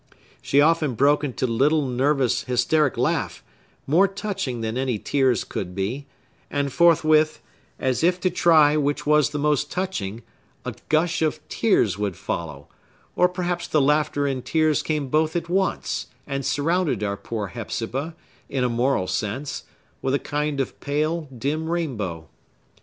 She often broke into a little, nervous, hysteric laugh, more touching than any tears could be; and forthwith, as if to try which was the most touching, a gush of tears would follow; or perhaps the laughter and tears came both at once, and surrounded our poor Hepzibah, in a moral sense, with a kind of pale, dim rainbow.